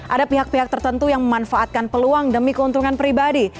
ada pihak pihak tertentu yang memanfaatkan peluang demi keuntungan pribadi